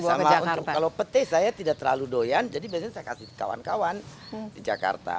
bukan sendiri sama kalau pete saya tidak terlalu doyan jadi biasanya saya kasih kawan kawan di jakarta